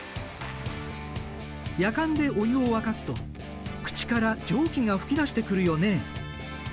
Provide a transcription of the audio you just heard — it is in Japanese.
やかんでお湯を沸かすと口から蒸気が噴き出してくるよね。